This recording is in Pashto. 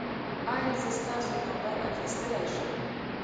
ایا زه ستاسو نمبر اخیستلی شم؟